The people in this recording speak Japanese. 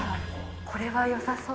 これはよさそう。